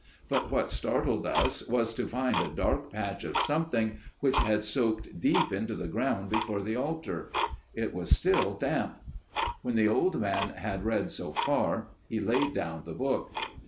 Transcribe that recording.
But what startled us was to find a dark patch of something which had soaked deep into the ground before the altar. It was still damp." When the old man had read so far, he laid down the book.